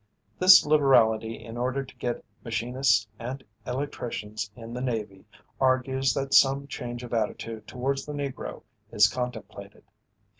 This liberality in order to get machinists and electricians in the Navy, argues that some change of attitude towards the Negro is contemplated.